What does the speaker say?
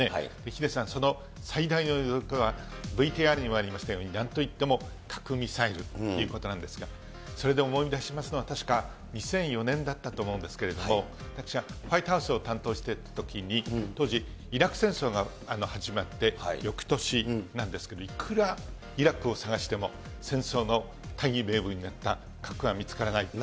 ヒデさん、その最大はＶＴＲにもありましたように、なんといっても、核・ミサイルということなんですが、それで思い出しますのは、確か２００４年だったと思うんですけれども、私がホワイトハウスを担当しているときに、当時、イラク戦争が始まって、よくとしなんですけど、いくらイラクを探しても、戦争の大義名分になった核は見つからない。